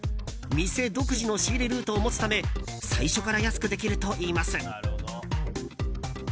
店独自の仕入れルートを持つため最初から安くできるといいます。